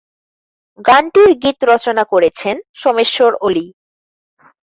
গানটির গীত রচনা করেছেন সোমেশ্বর অলি।